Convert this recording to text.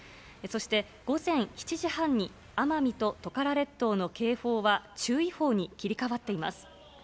そして、午前７時半に奄美とトカラ列島の警報は注意報に切り替わっています。